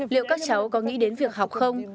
liệu các cháu có nghĩ đến việc học không